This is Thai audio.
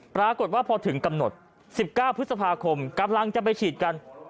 ปรากฏว่าพอถึงกำหนด๑๙พฤษภาคมกำลังจะไปฉีดกัน